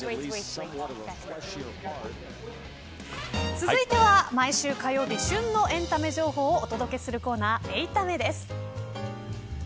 続いては毎週火曜日旬のエンタメ情報をお届けするコーナー８タメです。